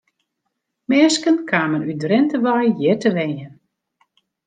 Minsken kamen út Drinte wei hjir te wenjen.